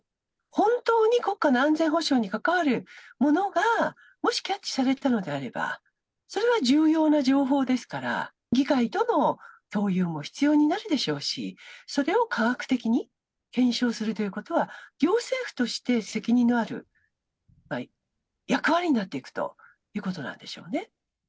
本当に国家の安全保障に関わるものがもしキャッチされたのであれば、それは重要な情報ですから、議会との共有も必要になるでしょうし、それを科学的に検証するということは、行政府として責任のある課題、役割になっていくということなんでしょうね。